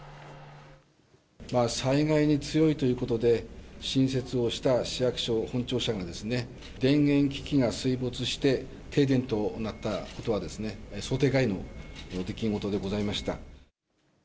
災害に強いということで、新設をした市役所本庁舎がですね、電源機器が水没して停電となったことはですね、想定外の出来事でございました。